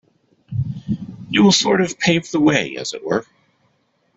You will sort of pave the way, as it were.